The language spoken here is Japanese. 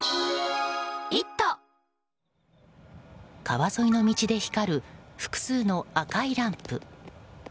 川沿いの道で光る複数の赤いランプ。